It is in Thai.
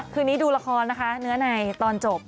คืนนี้ดูละครนะคะเนื้อในตอนจบ